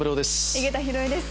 井桁弘恵です。